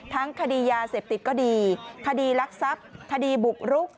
ทั้งคดียาเสพติดก็ดีคดีลักษักคดีบุกรุก